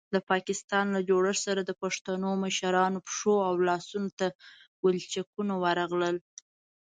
د پاکستان له جوړښت سره د پښتنو مشرانو پښو او لاسونو ته ولچکونه ورغلل.